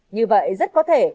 như vậy rất có thể